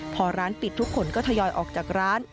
พอร้านปิดทุกคนก็ทยอยออกจากร้าน